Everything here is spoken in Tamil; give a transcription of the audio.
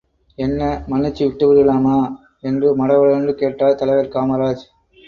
என்ன, மன்னிச்சு விட்டுவிடலாமா? என்று மடமடவென்று கேட்டார் தலைவர் காமராஜ்.